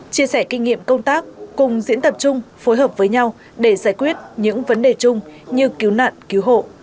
chia sẻ kinh nghiệm công tác cùng diễn tập chung phối hợp với nhau để giải quyết những vấn đề chung như cứu nạn cứu hộ